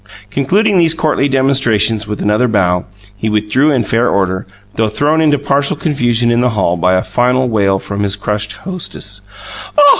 Concluding these courtly demonstrations with another bow he withdrew in fair order, though thrown into partial confusion in the hall by a final wail from his crushed hostess: "Oh!